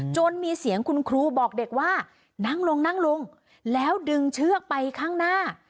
จนมีเสียงคุณครูบอกเด็กว่านั่งลงนั่งลงแล้วดึงเชือกไปข้างหน้า